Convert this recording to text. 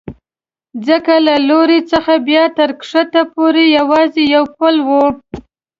ځکه له لوړې څخه بیا تر کښته پورې یوازې یو پل و.